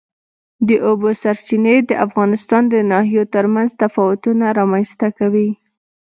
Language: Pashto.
د اوبو سرچینې د افغانستان د ناحیو ترمنځ تفاوتونه رامنځ ته کوي.